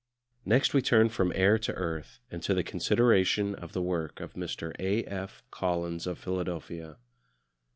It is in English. Next we turn from air to earth, and to the consideration of the work of Mr. A. F. Collins of Philadelphia.